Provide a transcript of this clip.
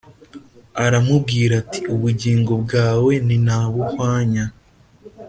Aramubwira ati ubugingo bwawe nintabuhwanya